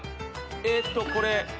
えっとこれ。